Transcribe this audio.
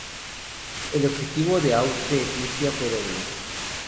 El objetivo de Austria y Rusia fue doble.